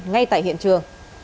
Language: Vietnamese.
ngay tại nhà